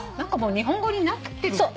もう日本語になってる。